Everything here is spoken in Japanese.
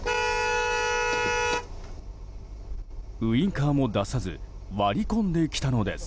ウインカーも出さずに割り込んできたのです。